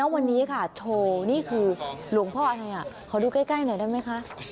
วันนี้ค่ะโชว์นี่คือหลวงอะไรอย่างงี้ขอดูใกล้ใกล้หน่อยได้ไหมคะ